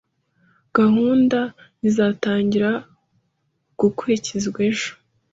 Gahunda izatangira gukurikizwa ejo.